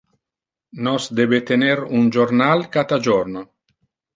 Nos debe tener un jornal cata jorno.